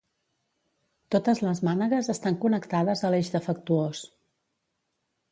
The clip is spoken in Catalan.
Totes les mànegues estan connectades a l'eix defectuós.